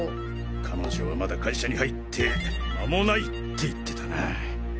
彼女はまだ会社に入って間もないって言ってたな。